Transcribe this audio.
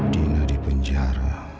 dina di penjara